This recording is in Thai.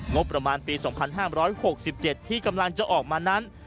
งบประมาณปี๒๕๖๗ที่กำลังจะออกมานั้น